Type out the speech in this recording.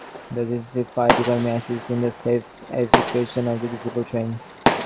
The Disneyland Fire Department assists in the safe evacuation of the disabled train.